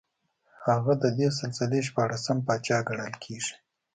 هغه د دې سلسلې شپاړسم پاچا ګڼل کېږي